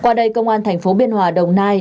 cơ quan công an thành phố biên hòa đồng nai